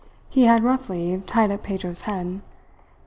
He had roughly tied up Pedro's head.